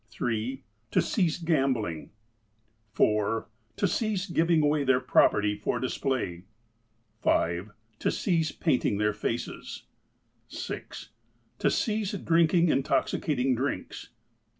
(3) To cease gambling, (4) To cease giving away their property for display. (5) To cease painting their faces. (6) To cease drinking intoxicating drinks.